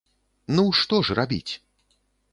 Ну што ж рабіць?